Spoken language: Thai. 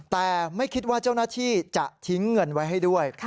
แต่ไม่คิดว่าเจ้าหน้าที่จะทิ้งเงินไว้ให้ด้วย